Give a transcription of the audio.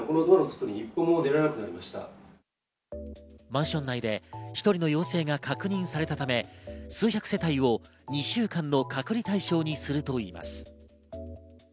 マンション内で１人の陽性が確認されたため、数百世帯を２週間の隔離対象にするといいます。